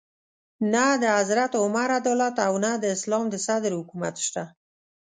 نه د حضرت عمر عدالت او نه د اسلام د صدر حکومت شته.